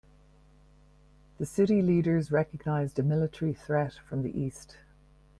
The city leaders recognized a military threat from the east.